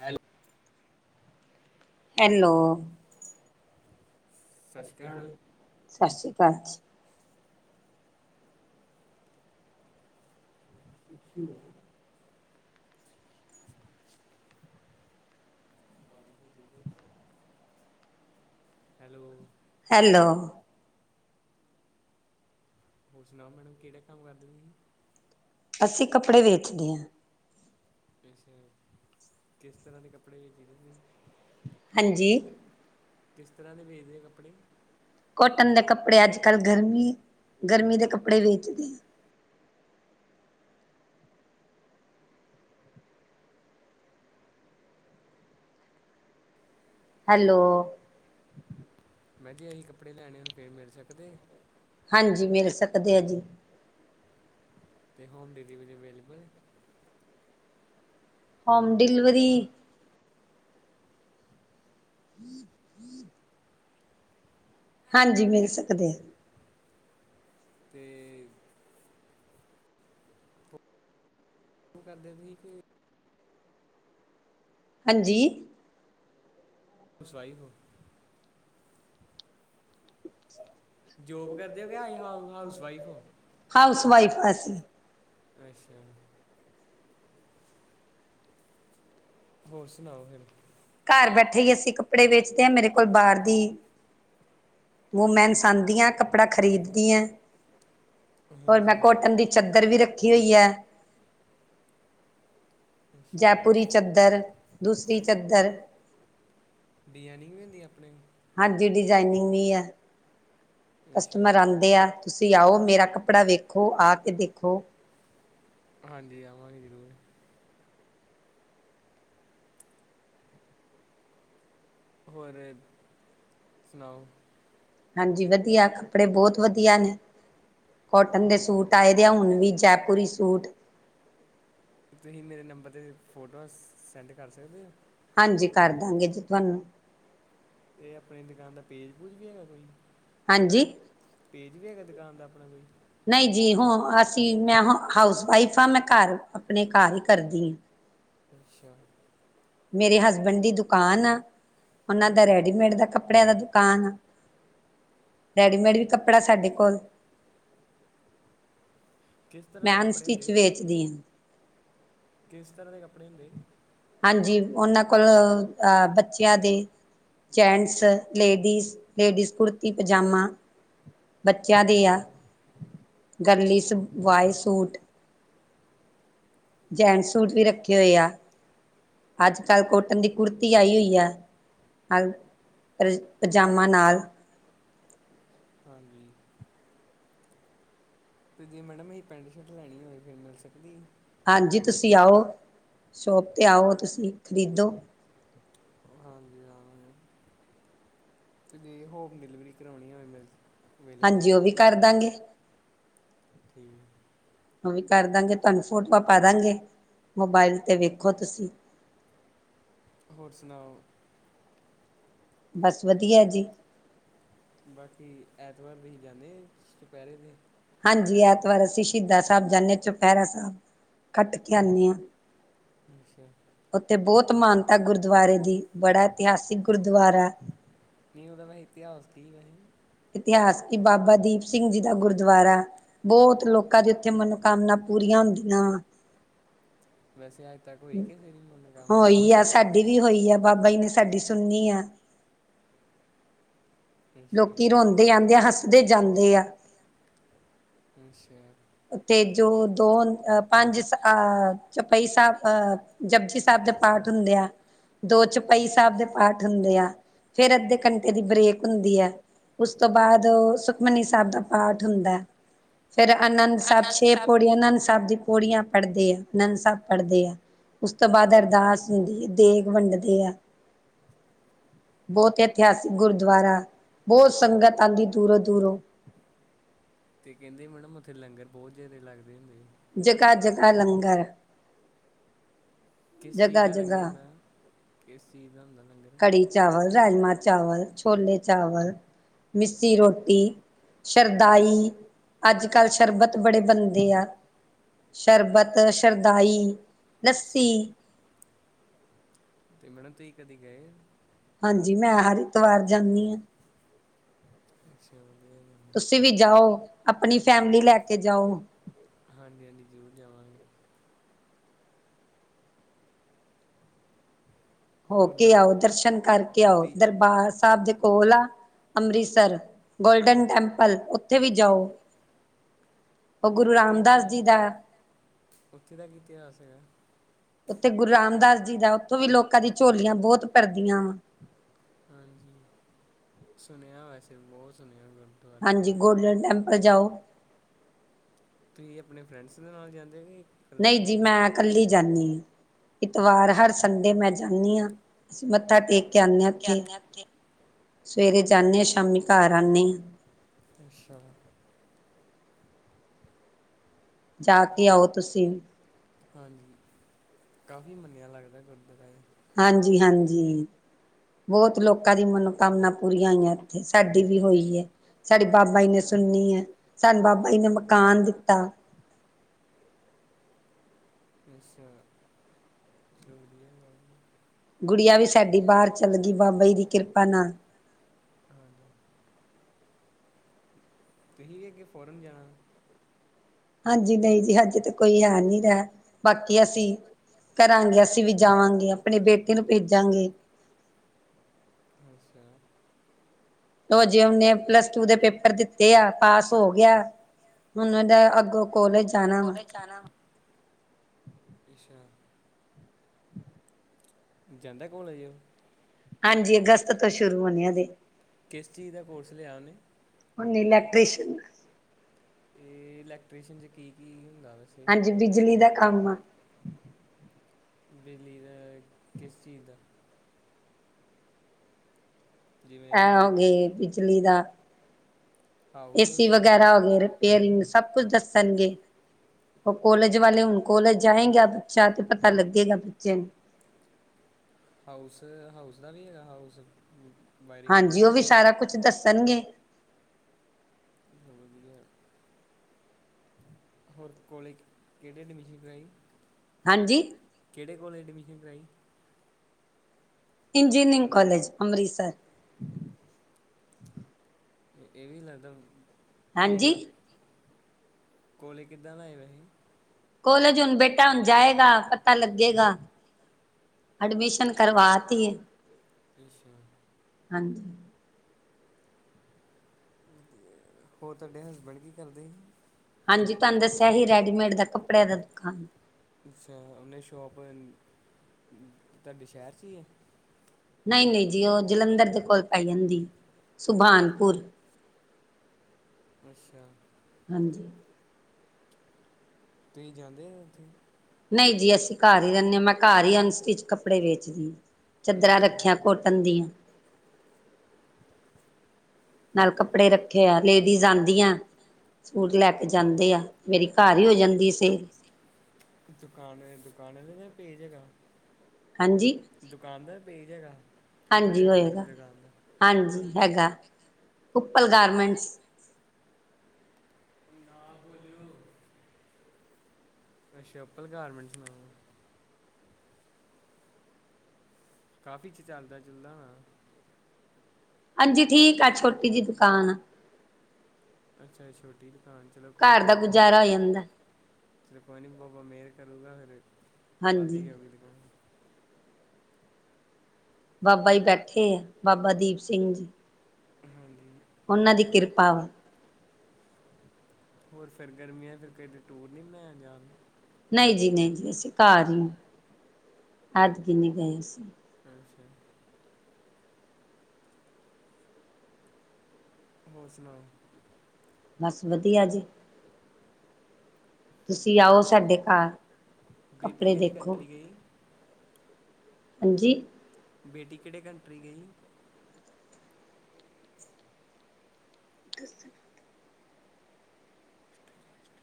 Hello, hello, ਤਿ ਸਤਿ ਸ਼੍ਰੀ ਅਕਾਲ ਸਤਿ ਸ਼੍ਰੀ ਅਕਾਲ ਜੀ। ਅੱਛਾ। ਹੈਲੋ, ਹੈਲੋ, ਹੋਰ ਸੁਣਾਓ ਮੈਡਮ ਕਿਹੜਾ ਕੰਮ ਕਰਦੇ ਸੀ? ਅਸੀਂ ਕੱਪੜੇ ਵੇਚਦੇ ਹਾਂ। ਵੈਸੇ, ਕਿਸ ਤਰ੍ਹਾਂ ਦੇ ਕੱਪੜੇ ਵੇਚਦੇ ਸੀ। ਹਾਂਜੀ। ਕਿਸ ਤਰ੍ਹਾਂ ਦੇ ਵੇਚਦੇ ਕੱਪੜੇ? ਕੋਟਨ ਦੇ ਕੱਪੜੇ, ਅੱਜ ਕੱਲ੍ਹ ਗਰਮੀ- ਗਰਮੀ ਦੇ ਕੱਪੜੇ ਵੇਚਦੇ ਆ। ਹੈਲੋ, ਮੈਂ ਜੀ ਅਸੀਂ ਕੱਪੜੇ ਲੈਣੇ ਉਹ ਨੂੰ ਫਿਰ ਮਿਲ ਸਕਦੇ। ਹਾਂਜੀ। ਮਿਲ ਸਕਦੇ ਹੈ ਜੀ। ਅਤੇ home delivery available. Home delivery ਹੂ ਹ [inaudible] ਹਾਂਜੀ, ਮਿਲ ਸਕਦੇ ਆ। ਅਤੇ। ਕਰਦੇ ਵੀ ਕਿ ਹਾਂਜੀ। ਹਾਊਸ ਵਾਈਫ ਹੋ? ਯੋਬ ਕਰਦੇ ਹੋ ਯਾ ਹਾਊਸ ਵਾਈਫ? ਹਾਊਸ ਵਾਈਫ ਆ ਅਸੀਂ। ਅੱਛਾ। ਹੋਰ ਸੁਣਾਓ ਫਿਰ? ਘਰ ਬੈਠੇ ਹੀ ਅਸੀਂ ਕੱਪੜੇ ਵੇਚਦੇ ਹਾਂ ਮੇਰੇ ਕੋਲ ਬਾਹਰ ਦੀ ਵਮੋਮੈਨਸਾ ਆਉਦੀਆਂ, ਕੱਪੜਾ ਖਰੀਦੀਆਂ। ਹੋਰ ਮੈਂ ਹਾਂਜੀ ਕੋਟਨ ਦੀ ਚਾਦਰ ਵੀ ਰੱਖੀ ਹੋਈ ਹੈ। ਅੱਛਾ ਜੈਪੁੁਰਰੀ ਚੱਦਰ, ਦੂਸਰੀ ਚੱਦਰ। ਡੀਆਨਿੰਗ ਵੀ ਹੁੰਦੀ ਆਪਣੇ। ਹਾਂਜੀ ਡਿਜ਼ਾਇਨਿੰਗ ਵੀ ਹੈ। ਕਸਟਮਰ ਅੱਛਾ ਆਉਂਦੇ ਆ, ਤੁਸੀਂ ਆਓ, ਮੇਰਾ ਕੱਪੜਾ ਵੇਖੋ ਆ ਕੇ ਦੇਖੋ। ਹਾਂਜੀ ਆਵਾਂਗੇ ਜ਼ਰੂਰ। ਹੋਰ, ਸੁਣਾਓ? ਹਾਂਜੀ ਵਧੀਆ, ਕੱਪੜੇ ਬਹੁਤ ਵਧੀਆ ਨੇ। ਕੋਟਨ ਦੇ ਸੂਟ ਆਏ ਦੇ ਆ, ਹੁਣ ਵੀ ਜੈਪੁਰੀ ਸੂਟ। ਤੁਸੀਂ ਮੇਰੇ ਨੰਬਰ ਤੇ ਫੋਟਆ ਸੈਂਡ ਕਰ ਸਕਦੇ ਹੋ? ਹਾਂਜੀ, ਕਰ ਦੁਗੇ ਜੀ ਤੁਹਾਨੂੰ। ਤੇ ਆਪਣੀ ਦੁਕਾਨ ਦਾ ਪੇਜ-ਪੂਜ ਵੀ ਹੈਗਾ ਕੋਈ? ਹਾਂਜੀ। ਪੇਜ ਵੀ ਹੈਗਾ ਦੁਕਾਨ ਦਾ ਆਪਣਾ ਕੋਈ? ਨਹੀਂ ਜੀ। ਹੁ ਅਸੀਂ ਮੈਂ ਹ ਹਾਊਸ ਵਾਈਫ ਹਾਂ। ਮੈਂ ਘਰ ਆਪਣੇ ਘਰ ਹੀ ਕਰਦੀ ਹਾਂ। ਅੱਛਾ। ਮੇਰੇ ਹਸਬੈਂਡ ਦੀ ਦੁਕਾਨ ਆ ਉਹਨਾਂ ਦਾ ਹੂੰ ਰੈਡੀਮੇਡ ਦਾ ਕੱਪੜਾ ਕੱਪੜਿਆਂ ਦਾ ਦੁਕਾਨ ਆ। ਰੈਡੀਮੇਡ ਵੀ ਕੱਪੜਾ ਸਾਡੇ ਕੋਲ। ਕਿਸ ਤਰ੍ਹਾਂ ਦੇ ਮੈਂ ਕੱਪੜੇ ਅਨਸਟਿਚ ਹੁੰਦੇ, ਵੇਚਦੀ ਹਾਂ ਕਿਸ ਤਰ੍ਹਾਂ ਦੇ ਕੱਪੜੇ ਹੁੰਦੇ। ਹਾਂਜੀ, ਉਹਨਾਂ ਕੋਲ ਅਹ ਬੱਚਿਆਂ ਦੇ ਜੈਂਟਸ, ਲੇਡੀਜ਼, ਲੇਡੀਜ਼ ਕੁਰਤੀ ਪਜਾਮਾ। ਬੱਚਿਆਂ ਦੇ ਆ ਅੱਛਾ ਗਰਲੀਸ਼ ਵਾਏ ਸੂਟ। ਜੈਂਸ ਸੂਟ ਵੀ ਰੱਖੇ ਹੋਏ ਆ। ਅੱਜ-ਕੱਲ੍ਹ ਕੋਟਨ ਦੀ ਕੁੜਤੀ ਆਈ ਹੋਈ ਆ। ਨਾਲ ਪ ਪਜਾਮਾ ਨਾਲ। ਹਾਂਜੀ। ਤੇ ਜੇ ਮੈਡਮ, ਅਸੀਂ ਪੈਂਟ ਸ਼ਰਟ ਲੈਣੀ ਹੋਵੇ ਫੇਰ ਮਿਲ ਸਕਦੀ? ਹਾਂਜੀ, ਤੁਸੀਂ ਆਓ ਸ਼ੋਪ ਤੇ ਆਓ ਤੁਸੀਂ ਖਰੀਦੋ। ਹਾਂਜੀ ਅਵਾਗੇ। ਜੇ ਹੋਮ ਡਿਲੀਵਰੀ ਕਰਾਉਣੀ ਹੋਵੇ ਮੈ। ਹਾਂਜੀ, ਉਹ ਵੀ ਕਰ ਦਾਂਗੇ। ਠੀਕ। ਉਹ ਵੀ ਕਰ ਦਾਂਗੇ, ਤੁਹਾਨੂੰ ਫੋਟੋਆਂ ਪਾ ਦਾਂਗੇ ਮੋਬਾਇਲ ਤੇ ਵੇਖੋ ਤੁਸੀਂ। ਹੋਰ ਸੁਣਾਓ। ਬਸ ਵਧੀਆ ਜੀ। ਬਾਕੀ, ਐਤਵਾਰ ਵੀ ਜਾਂਦੇ ਚੁਪਹਿਰੇ ਤੇ? ਹਾਂਜੀ, ਐਤਵਾਰ ਅਸੀਂ ਸ਼ਹੀਦ ਸਾਹਿਬ ਜਾਂਦੇ ਚੁਪਹਿਰਾ ਸਾਹਬ। ਕੱਟ ਕੇ ਆਂਦੇ ਆ। ਅੱਛਾ। ਉੱਥੇ ਬਹੁਤ ਮਾਨਤਾ ਗੁਰਦੁਆਰੇ ਦੀ ਬੜਾ ਇਤਿਹਾਸਿਕ ਗੁਰਦੁਆਰਾ। ਨਹੀਂ ਉਹਦਾ ਵੈ ਇਤਿਹਾਸ ਦੀ ਵੈਹੈ? ਇਤਿਹਾਸ ਕਿ, ਬਾਬਾ ਦੀਪ ਸਿੰਘ ਜੀ ਦਾ ਗੁਰਦੁਆਰਾ ਬਹੁਤ ਲੋਕਾਂ ਦੀ ਉੱਥੇ ਮਨੋਕਾਮਨਾ ਪੂਰੀਆਂ ਹੁੰਦੀਆਂ ਆ। [unintelligible] ਵੈਸੇ ਅੱਜ ਤੱਕ ਹੋਈ ਕਿ ਤੇਰੀ ਮਨੋਕਾਮਨਾ ਪੂਰੀ? ਹੋਈ ਆ ਸਾਡੀ ਵੀ ਹੋਈ ਆ ਬਾਬਾ ਜੀ ਨੇ ਸਾਡੀ ਸੁਣਨੀ ਆ ਲੋਕੀ ਅੱਛਾ ਰੋਂਦੇ ਆਂਦੇ ਆ ਹੱਸਦੇ ਜਾਂਦੇ ਆ। ਅੱਸ਼ਾ। ਉੱਥੇ ਜੋ ਦੋ ਪੰਜ ਅ ਚੁਪੀਤਾ ਸਾਹਬ ਅ ਜਪਜੀ ਸਾਹਬ ਦੇ ਪਾਠ ਹੁੰਦੇ ਆ। ਦੋ ਚੁਪਈ ਸਾਹਬ ਦੇ ਪਾਠ ਹੁੰਦੇ ਆ। ਫੇਰ ਅੱਧੇ ਘੰਟੇ ਦੀ ਬਰੇਕ ਹੁੰਦੀ ਐ। ਉਸ ਤੋਂ ਬਾਅਦ ਸੁਖਮਨੀ ਸਾਹਬ ਦਾ ਪਾਠ ਹੁੰਦਾ ਐ। ਫੇਰ ਆਨੰਦ ਸਾਹਬ ਛੇ ਪੌੜੀ ਆਨੰਦ ਸਾਹਿਬ ਦੀ ਪੌੜੀਆਂ ਪੜ੍ਹਦੇ ਆ। ਆਨੰਦ ਸਾਹਬ ਪੜ੍ਹਦੇ ਆ। ਉਸ ਤੋਂ ਬਾਅਦ ਅਰਦਾਸ ਹੁੰਦੀ ਅੇ ਦੇਗ ਵੰਡਦੇ ਆ। ਬਹੁਤ ਇਤਿਹਾਸਿਕ ਗੁਰਦੁਆਰਾ, ਬਹੁਤ ਸੰਗਤ ਆਂਦੀ ਦੂਰੋਂ- ਦੂਰੋਂ। ਤੇ ਕੈਂਦੇ ਮੈਡਮ ਓਥੇ ਲੰਗਰ ਬੋਤ ਜਾਦਾ ਲੱਗਦੇ ਹੁੰਦੇ। ਜਗਾ-ਜਗਾ ਲੰਗਰ। ਕਿਸ ਚੀਜ਼ ਜਗ੍ਹਾ ਦਾ ਲੰਗਰ ਜਗ੍ਹਾ ਹੁੰਦਾ ਮੈਮ, ਕਿਸ ਚੀਜ਼ ਦਾ ਹੁੰਦਾ ਲੰਗਰ? ਕਵੀ ਚਾਵਲ, ਰਾਜਮਾਂ ਚਾਵਲ, ਛੋਲੇ ਚਾਵਲ, ਮਿੱਸੀ ਰੋਟੀ। ਸ਼ਰਦਾਈ, ਅੱਜ-ਕੱਲ੍ਹ ਸ਼ਰਬਤ ਬੜੇ ਬਣਦੇ ਆ। ਸ਼ਰਬਤ, ਸ਼ਰਦਾਈ, ਲੱਸੀ। ਤੇ ਮੈਡਮ ਤੁਸੀਂ ਕਦੇ ਗਏ ਓ? ਹਾਂਜੀ ਮੈਂ ਹਰ ਇਤਵਾਰ ਜਾਂਨੀ ਆਂ। ਅੱਛਾ ਵਧੀਆ ਜੀ। ਤੁਸੀਂ ਵੀ ਜਾਓ, ਆਪਣੀ ਫੈਮਿਲੀ ਲੈ ਕੇ ਜਾਓ। ਹਾਂਜੀ ਹਾਂਜੀ ਜ਼ਰੂਰ ਜਾਵਾਂਗੇ। ਹੋ ਹੋਰ ਕੇ ਮੈਡਮ ਆਓ, ਦਰਸ਼ਨ ਕਰਕੇ ਆਓ। ਤੀ ਦਰਬਾਰ ਸਾਬ ਦੇ- ਕੋਲ ਆ। ਅੰਮ੍ਰਿਤਸਰ- ਗੋਲਡਨ ਟੈਂਪਲ ਓਥੇ ਵੀ ਜਾਓ। ਉਹ ਓਥੇ ਗੁਰੂ ਦਾ ਕੀ ਰਾਮਦਾਸ ਇਤਿਹਾਸ, ਜੀ ਦਾ ਓਥੇ ਦਾ ਕੀ ਇਤਿਹਾਸ ਹੈਗਾ? ਓਥੇ ਗੁਰੂ ਰਾਮਦਾਸ ਜੀ ਦਾ, ਓਥੋਂ ਵੀ ਲੋਕਾਂ ਦੀ ਝੋਲੀਆਂ ਬੋਤ ਭਰਦੀਆਂ ਵਾ। ਹਾਂਜੀ -ਸੁਣਿਆ ਵੈਸੇ ਬੋਤ ਸੁਣਿਆ ਗੱਲ। ਹਾਂਜੀ ਗੋਲਡਨ ਟੈਂਪਲ ਜਾਓ। ਤੁਹੀਂ ਆਪਣੇ ਫਰੈਂਡਸ ਦੇ ਨਾਲ ਜਾਂਦੇ ਕੀ- ਨਈ ਜੀ ਮੈਂ- ਕੱਲੀ ਜਾਂਨੀ ਆਂ। ਇਤਵਾਰ ਹਰ ਸੰਡੇ ਮੈਂ ਜਾਂਨੀ ਆਂ, ਅਸੀਂ ਮੱਥਾ ਟੇਕ- ਕੇ ਆਨੇ ਓਥੇ। ਜਾਂਦੇ ਆ ਉੱਥੇ ਸਵੇਰੇ ਜਾਂਨੇ ਆਂ, ਸ਼ਾਮੀ ਘਰ ਆਨੀ ਆਂ। ਅੱਛਾ। ਜਾ ਕੇ ਆਓ ਤੁਸੀਂ ਵੀ। ਹਾਂਜੀ- ਕਾਫ਼ੀ ਮੰਨਿਆ ਲੱਗਦਾ ਗੁਰਦਰਾ ਏ। ਹਾਂਜੀ ਹਾਂਜੀ। ਬੋਤ ਲੋਕਾਂ ਦੀ ਮਨੋਕਾਮਨਾ ਪੂਰੀਆਂ ਹੋਈਆਂ ਏਥੇ, ਸਾਡੀ ਵੀ ਹੋਈ ਏ। ਸਾਡੀ ਬਾਬਾ ਜੀ ਨੇ ਸੁਣੀ ਐ, ਸਾਨੂੰ ਬਾਬਾ ਜੀ ਨੇ ਮਕਾਨ ਦਿੱਤਾ। ਅੱਛਾ - ਏ ਵਧੀਆ ਗੱਲ ਏ। ਗੁੜੀਆ ਵੀ ਸਾਡੀ ਬਾਰ ਚੱਲ ਗੀ ਬਾਬਾ ਜੀ ਦੀ ਕਿਰਪਾ ਨਾਲ। ਹਾਂਜੀ। ਤੁਸੀਂ ਵੀ ਅੱਗੇ ਫੋਰਨ ਜਾਣਾ? ਹਾਂਜੀ ਨਈ ਜੀ ਅਜੇ ਤਾਂ ਕੋਈ ਹੈ ਨੀ ਰੈਅ ਬਾਕੀ ਅਸੀਂ। ਕਰਾਂਗੇ ਅਸੀਂ ਵੀ ਜਾਵਾਂਗੇ, ਆਪਣੇ ਬੇਟੇ ਨੂੰ ਭੇਜਾਗੇ। ਅੱਛਾ। ਓ ਅਜੇ ਓਨੇ ਪਲੱਸ ਟੂ ਦੇ ਪੇਪਰ ਦਿੱਤੇ ਆ, ਪਾਸ ਹੋ ਗਿਆ। ਹੁਣ ਓਦਾ ਅੱਗੋਂ ਕੋਲਜ। ਜਾਣਾ ਵਾ ਕੋੋਲਜ ਜਾਣਾ ਵਾ। ਅੱਛਾ। ਜਾਂਦਾ ਕੋਲਜ ਓ? ਹਾਂਜੀ ਅਗਸਤ ਤੋਂ ਸ਼ੁਰੂ ਹੋਣੇ ਅਜੇ। ਕਿਸ ਚੀਜ਼ ਦਾ ਕੋਰਸ ਲਿਆ ਓਨੇ? ਓਨੇ ਇਲੈਕਟ੍ਰੀਸ਼ਨ ਦਾ। ਤੇ ਇਲੈਕਟ੍ਰੀਸ਼ਨ 'ਚ ਕੀ ਕੀ ਹੁੰਦਾ ਵੈਸੇ। ਹਾਂਜੀ ਬਿਜਲੀ ਦਾ ਕੰਮ ਆ। ਬਿੱਜਲੀ ਦਾ ਕਿਸ ਚੀਜ਼ ਦਾ? ਜਿਵੇਂ ਐ ਹੋ ਹਾਊ ਗਏ ਬਿਜਲੀ ਦਾ, ਹਾਊਸ ਏਸੀ ਹੂਸ ਦਾ ਵਗੈਰਾ ਹੋ ਗਏ। ਫੇਰ ਸਭ ਕੁਝ ਦੱਸਣਗੇ। ਉਹ ਕੋਲੈਜ ਵਾਲੇ, ਹੁਣ ਕੋਲਜ ਜਾਏਗਾ ਬੱਚਾ ਤੇ ਪਤਾ ਲੱਗੇਗਾ ਬੱਚੇ ਨੂੰ। ਹਾਊਸ, ਹਾਊਸ ਦਾ ਵੀ ਹੈਗਾ ਹਾਊਸ। ਵਾਇਰਿੰਗ ਦਾ ਹਾਂਜੀ, ਉਹ ਵੀ ਸਾਰਾ ਕੁਛ ਦੱਸਣਗੇ। ਵਧੀਆ ਹੋਰ ਕੋਲੇਜ ਕਿਹੜੇ ਐਡਮਿਸ਼ਨ ਕਰਵਾਈ? ਹਾਂਜੀ। ਕਿਹੜੇ ਕੋਲਜ ਐਡਮਮੀਸ਼ਨ ਕਰਵਾਈ? Engineering college Amritsar. ਇਹ ਵੀ ਲੱਗਦਾ ਠੀਕ ਹਾਂਜੀ ਹੈ, ਕੋਲੇ ਕਿੱਦਾਂ ਦਾਹੈ ਜਿ? ਕੋਲੇਜ ਹੁਣ ਬੇਟਾ ਹੁਣ ਜਾਏਗਾ ਪਤਾ ਲੱਗੇਗਾ। ਐਡਮਿਸ਼ਨ ਕਰਵਾ ਐਡਮਿਸ਼ਨ ਤੀ ਹੈ। ਅੱਛਾ ਹਾਂਜੀ। ਹੋਰ, ਤੁਹਾਡੇ ਹਸਬੈਂਡ ਕੀ ਕਰਦੇ? ਹਾਂਜੀ, ਤੁਹਾਨੂੰ ਦੱਸਿਆ ਹੀ ਰੈਡੀਮੇਡ ਦਾ ਕੱਪੜਿਆਂ ਦਾ ਦੁਕਾਨ। ਅੱਛਾ। ਉਹਨੇ ਸ਼ੋਪ, ਤੁਹਾਡੇ ਸ਼ਹਿਰ 'ਚ ਹੀ ਹੈ। ਨਹੀਂ- ਨਹੀਂ ਜੀ, ਉਹ ਜਲੰਧਰ ਦੇ ਕੋਲ ਪੈ ਜਾਂਦੀ ਸੁਬਾਨਪੁਰ। ਅੱਛਾ। ਹਾਂਜੀ। ਤੁਸੀ ਜਾਂਦੇ ਆ ਉੱਥੇ? ਨਹੀਂ ਜੀ, ਅਸੀਂ ਘਰ ਹੀ ਰਹਿੰਦੇ ਹਾਂ ਮੈਂ ਘਰ ਹੀ ਅਨਸਟਿਚ ਕੱਪੜੇ ਵੇਚਦੀ ਚਾਦਰਾਾਂ ਰੱਖਿਆ ਅੱਛਾ ਕੋਟ ਧੰਦੀਆਂ। [inaudible] ਨਾਲ ਕੱਪੜੇ ਰੱਖੇ ਆ, ਲੇਡੀਜ਼ ਆਉਂਦੀਆਂ। ਸੂਟ ਲੈ ਕੇ ਜਾਂਦੇ ਆ, ਮੇਰੀ ਘਰ ਹੀ ਹੋ ਜਾਂਦੀ ਸੇਲ। ਦੁਕਾਨ, ਦੁਕਾਨ ਵਾਲੇ ਦਾ ਪੇਜ ਹੈਗਾ। ਹਾਂਜੀ। ਦੁਕਾਨ ਦਾ ਪੇਜ ਹੈਗਾ। ਹਾਂਜੀ ਤੁਹਾਡੇ ਹਸਬੈਂਡ ਦੀ ਹੋਏਗਾ, ਦੁਕਾਨ ਦਾ ਹਾਂਜੀ ਹੈਗਾ। ਉੱਪਲ ਗਾਰਮੈਂਟਸ। ਨਾ ਬੋਜੋ। ਅੱਛਾ। ਅਪਲ ਗਾਰਮੈਂਟਸ ਨਾਮ ਹੈ। ਕਾਫੀ ਚ' ਚੱਲਦਾ- ਚੁੱਲਦਾ ਹਾਂ। ਹਾਂਜੀ ਠੀਕ ਆ ਛੋਟੀ ਜਿਹੀ ਦੁਕਾਨ ਆ। ਅੱਛਾ ਛੋਟੀ ਦੁਕਾਨ ਚਲੋ ਕੋਈ ਘਰ ਦਾ ਨਹੀਂ। ਗੁਜ਼ਾਰਾ ਹੋ ਜਾਂਦਾ ਚਲੋ ਕੋਈ ਨੀ ਬਾਬਾ ਮਿਹਰ ਕਰੂਗਾ ਫੇਰ, ਵੱਧ ਹਾਂਜੀ ਹੀ ਜਾਊਗੀ ਦੁਕਾਨ। ਬਾਬਾ ਜੀ ਬੈਠੇ ਆ, ਬਾਬਾ ਦੀਪ ਸਿੰਘ ਜੀ। ਹਾਂਜੀ। ਉਹਨਾਂ ਦੀ ਕਿਰਪਾ ਵਾ। ਹੋਰ ਫੇਰ ਗਰਮੀਆਂ ਫਿਰ ਕ ਟੂਰ ਨਹੀਂ ਬਣਾਇਆ ਜਾਣਦਾ। ਨਹੀਂ ਜੀ ਨਹੀਂ ਜੀ ਅਸੀਂ ਘਰ ਹੀ ਹਾਂ, ਅਦ ਕਿ ਨਹੀਂ ਗਏ ਅਸੀਂ। ਅੱਛਾ। ਹੋਰ ਸੁਣਾਓ? ਬਸ ਵਧੀਆ ਜੀ। ਤੁਸੀਂ ਆਓ ਸਾਡੇ ਘਰ ਬੇਟੀ ਕੱਪੜੇ ਕਿਹੜੀ ਦੇਖੋ। ਕੰਟਰੀ ਗਈ ਹਾਂਜੀ। ਬੇਟੀ ਕਿਹੜੇ ਕੰਟਰੀ ਗਈ? [inaudible]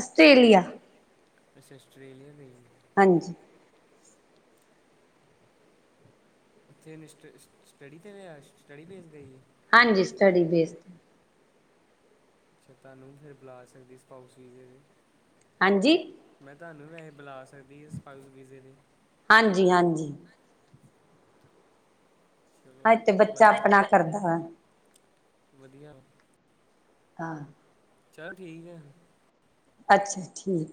ਅਸਟੇਲੀਆ ਅੱਛਾ ਆਸਟ੍ਰੇਲੀਆ ਗਈ ਏ। ਹਾਂਜੀ ਉੱਥੇ ਸ ਸਟ ਸਟੱਡੀ ਤੇ ਬਿਹਾਫ ਸਟੱਡੀ ਬੇਸ ਗਈ ਏ? ਹਾਂਜੀ ਸਟੱਡੀ ਬੇਸ ਤੇ। ਫਿਰ ਤਾਨੂੰ ਫਿਰ ਬੁਲਾ ਸਕਦੀ ਸਪਾਊਸ ਵੀਜ਼ੇ ਤੇ। ਹਾਂਜੀ ਮੈਂ ਤੁਹਾਨੂੰ ਵੀ ਵੈਸੇ ਬੁਲਾ ਸਕਦੀ ਏ ਸਪਾਉ ਸ ਵੀਜ਼ੇ ਤੇ। ਹਾਂਜੀ- ਹਾਂਜੀ ਚਲੋ ਹਾਂ ਤੇ ਬੱਚਾ ਵਦਿਆ ਆਪਣਾ [unintelligible] ਕਰਦਾ ਵਾ। ਵਦਿਆ ਹਾਂ ਚਲ ਠੀਕ ਅ। ਅੱਛਾ, ਠੀਕ